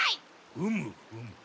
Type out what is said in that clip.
ふむふむ。